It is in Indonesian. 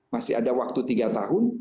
masih ada waktu tiga tahun